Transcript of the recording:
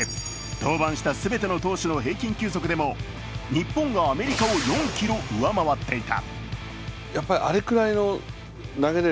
登板した全ての投手の平均球速でも日本がアメリカを４キロ上回っていた。